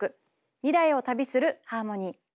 「未来を旅するハーモニー」。